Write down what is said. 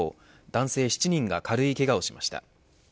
男性７人が軽いけがをしました。